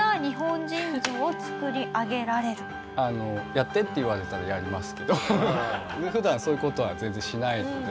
あの「やって」って言われたらやりますけど普段そういう事は全然しないので。